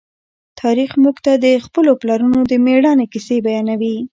تاریخ موږ ته د خپلو پلرونو د مېړانې کیسې بیانوي.